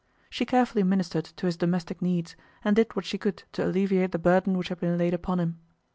She carefully ministered to his domestic needs, and did what she could to alleviate the burden which had been laid upon him.